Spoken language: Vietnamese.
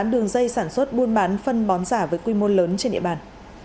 đường dây sản xuất buôn bán phân bón giả với quy mô lớn trên địa bàn